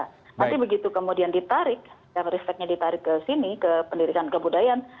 nanti begitu kemudian ditarik dan risetnya ditarik ke sini ke pendidikan kebudayaan